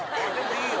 いいよ！